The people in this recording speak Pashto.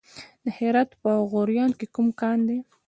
د هرات په غوریان کې کوم کان دی؟